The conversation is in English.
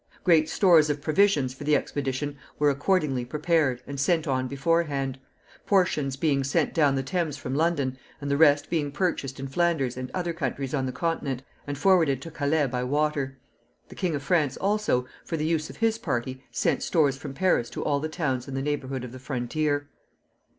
Great stores of provisions for the expedition were accordingly prepared, and sent on beforehand; portions being sent down the Thames from London, and the rest being purchased in Flanders and other countries on the Continent, and forwarded to Calais by water. The King of France also, for the use of his party, sent stores from Paris to all the towns in the neighborhood of the frontier.